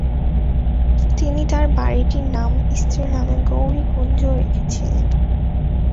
তিনি তার বাড়িটির নাম স্ত্রীর নামে 'গৌরীকুঞ্জ' রেখেছিলেন।